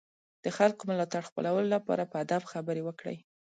د خلکو ملاتړ خپلولو لپاره په ادب خبرې وکړئ.